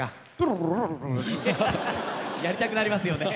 やりたくなりますよね。